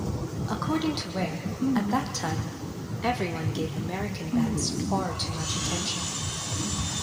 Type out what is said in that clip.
According to Weir, at that time, "everybody gave American bands far too much attention".